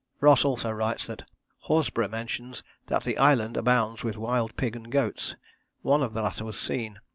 Ross also writes that "Horsburgh mentions ... 'that the island abounds with wild pig and goats; one of the latter was seen.